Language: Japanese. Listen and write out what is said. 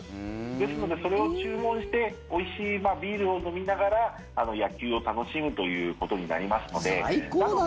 ですので、それを注文しておいしいビールを飲みながら野球を楽しむということになりますので。